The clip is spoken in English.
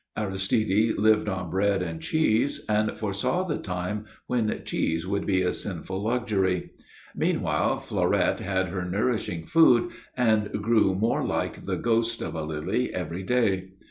Aristide lived on bread and cheese, and foresaw the time when cheese would be a sinful luxury. Meanwhile Fleurette had her nourishing food, and grew more like the ghost of a lily every day.